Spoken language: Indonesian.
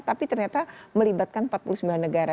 tapi ternyata melibatkan empat puluh sembilan negara